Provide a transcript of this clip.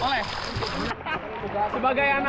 kalau lagi panen begini